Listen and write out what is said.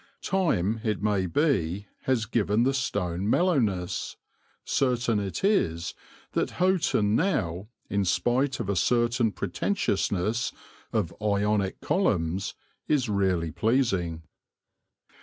Time, it may be, has given the stone mellowness; certain it is that Houghton now, in spite of a certain pretentiousness of Ionic columns, is really pleasing.